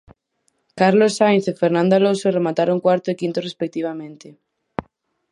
Carlos Sainz e Fernando Alonso remataron cuarto e quinto respectivamente.